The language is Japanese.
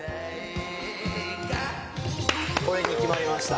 これに決まりました。